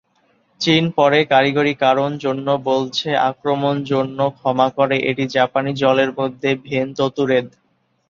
চীন পরে "কারিগরি কারণ" জন্য বলছে আক্রমণ জন্য ক্ষমা করে, এটি জাপানি জলের মধ্যে ভেনততুরেদ।